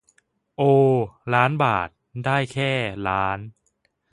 โอ ล้านบาท ได้แค่ ล้าน